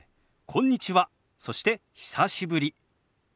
「こんにちは」そして「久しぶり」。